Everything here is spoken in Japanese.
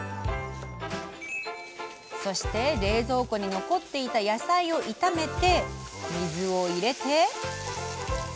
そして冷蔵庫に残っていた野菜を炒めて水を入れて。